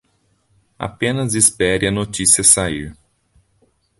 Apenas espere a notícia sair